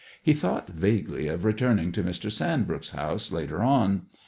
He thought vaguely of returning to Mr. Sandbrook's house later on.